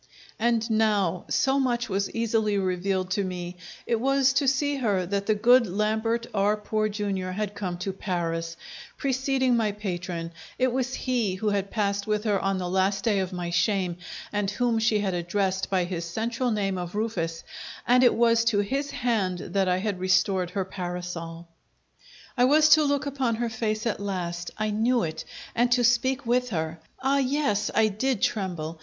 And now, so much was easily revealed to me: it was to see her that the good Lambert R. Poor Jr., had come to Paris, preceding my patron; it was he who had passed with her on the last day of my shame, and whom she had addressed by his central name of Rufus, and it was to his hand that I had restored her parasol. I was to look upon her face at last I knew it and to speak with her. Ah, yes, I did tremble!